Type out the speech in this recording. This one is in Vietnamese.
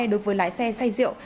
đối với lái xe xe rượu